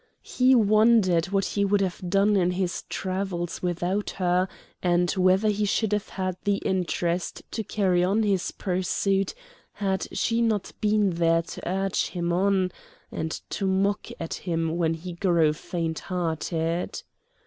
He wondered what he would have done in his travels without her, and whether he should have had the interest to carry on his pursuit had she not been there to urge him on, and to mock at him when he grew fainthearted.